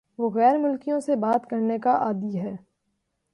وہ غیر ملکیوں سے بات کرنے کا عادی ہے